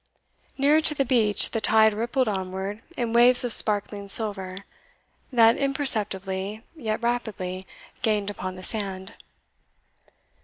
Nearer to the beach the tide rippled onward in waves of sparkling silver, that imperceptibly, yet rapidly, gained upon the sand.